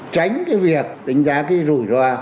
tránh cái việc đánh giá cái rủi ro